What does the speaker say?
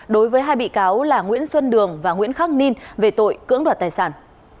đối với hai bị cáo là nguyễn xuân đường và nguyễn khắc ninh về tội cưỡng đoạt tài sản